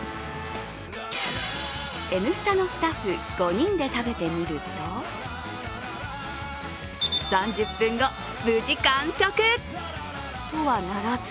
「Ｎスタ」のスタッフ５人で食べてみると３０分後、無事完食！とはならず。